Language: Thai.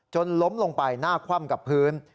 ล้มลงไปหน้าคว่ำกับพื้น